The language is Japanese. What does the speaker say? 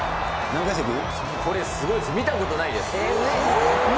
これ、すごいです、見たことないです。